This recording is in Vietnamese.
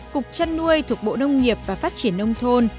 cục trăn nuôi thuộc bộ nông nghiệp và phát triển nông thôn